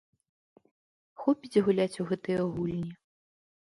Хопіць гуляць у гэтыя гульні.